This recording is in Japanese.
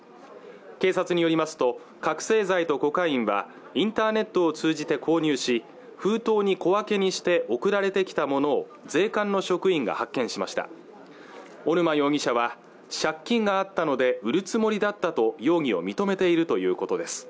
警察によりますと覚醒剤とコカインはインターネットを通じて購入し封筒に小分けにして送られてきたものを税関の職員が発見しました小沼容疑者は借金があったので売るつもりだったと容疑を認めているということです